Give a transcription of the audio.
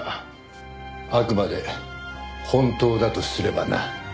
あくまで本当だとすればな。